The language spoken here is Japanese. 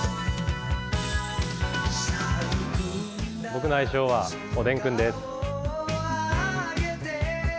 僕の愛称は、おでんくんです。